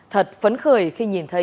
thật phấn khởi khi nhìn thấy